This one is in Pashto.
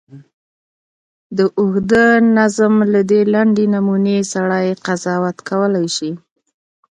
د اوږده نظم له دې لنډې نمونې سړی قضاوت کولای شي.